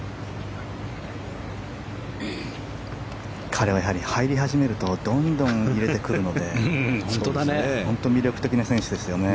彼は入り始めるとどんどん入れてくるので本当に魅力的な選手ですよね。